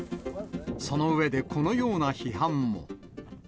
その上でこのような批判も。